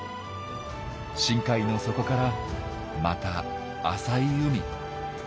深海の底からまた浅い海。